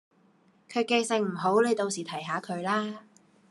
佢記性唔好，你到時提下佢啦